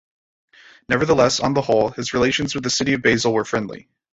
Nevertheless, on the whole, his relations with the city of Basel were friendly.